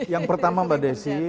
yang pertama mbak desi